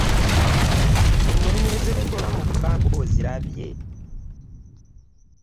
Ennyonyi ezeegoba mu bbanga ozirabye?